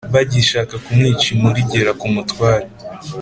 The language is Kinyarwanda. Bagishaka kumwica inkuru igera ku mutware